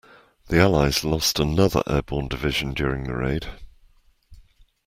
The allies lost another airborne division during the raid.